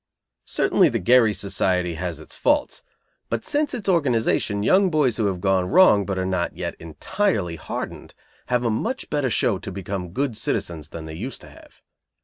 Certainly the Gerry Society has its faults; but since its organization young boys who have gone wrong but are not yet entirely hardened, have a much better show to become good citizens than they used to have.